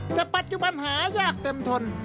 แต่ปัจจุบันหายากเต็มทน